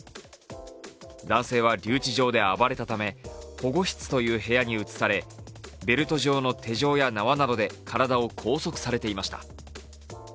男性は留置場で暴れたため保護室という部屋に移されベルト状の手錠や縄などで体を拘束されていました。